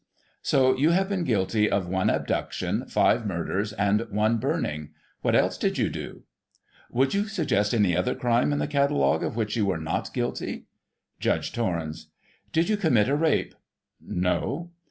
So you have been guilty of one abduction, five murders, and one burning ; what else did you do ? Would you suggest any other crime in the catalogue, of which you were not guilty ? Judge Torrens : Did you commit a rape ?— No.